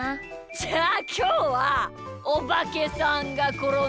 じゃあきょうは「おばけさんがころんだ」